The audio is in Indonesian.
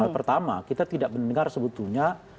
pertama kita tidak mendengar sebetulnya